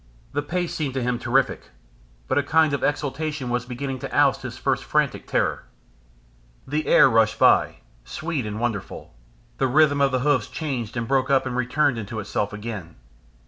The pace seemed to him terrific, but a kind of exultation was beginning to oust his first frantic terror. The air rushed by, sweet and wonderful, the rhythm of the hoofs changed and broke up and returned into itself again.